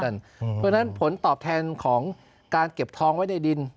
เพราะฉะนั้นผลตอบแทนของการเก็บทองไว้ในดิน